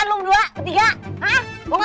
ngapain berdua bertiga malu juga